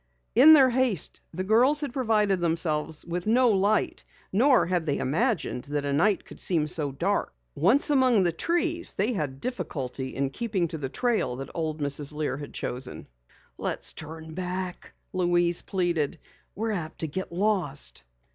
In their haste the girls had provided themselves with no light. Nor had they imagined that a night could be so dark. Once among the trees they had difficulty in keeping to the trail that old Mrs. Lear had chosen. "Let's turn back," Louise pleaded. "We're apt to get lost."